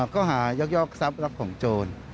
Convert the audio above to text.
ก็หายอกทรัพย์รับของโจร